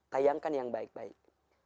tayangkan yang baik baik